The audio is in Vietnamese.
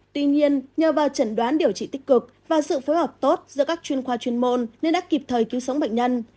tuy nhiên nhờ vào chẩn đoán điều trị tích cực và sự phối hợp tốt giữa các chuyên khoa chuyên môn nên đã kịp thời cứu sống bệnh nhân